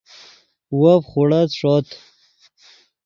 وف خوڑت ݰوت